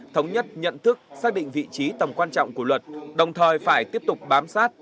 thống nhất nhận thức xác định vị trí tầm quan trọng của luật đồng thời phải tiếp tục bám sát